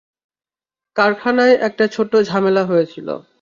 কারখানায় একটা ছোট্ট ঝামেলা হয়েছিল।